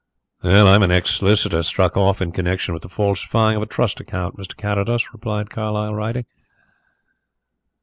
"I am an ex solicitor, struck off in connexion with the falsifying of a trust account, Mr. Carrados," replied Carlyle, rising.